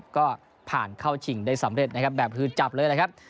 ก็ผ่านเข้าชิงได้สำเร็จนะครับแบบคือจับเลยแหละครับ